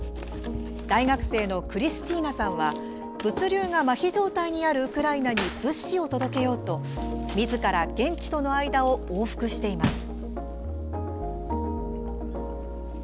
大学生のクリスティーナさんは物流が、まひ状態にあるウクライナに物資を届けようとみずから現地との間を往復しています。